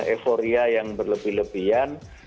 euphoria yang berlebihan lebihan